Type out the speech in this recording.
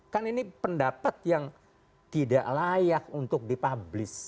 kan ini pendapat yang tidak layak untuk dipublis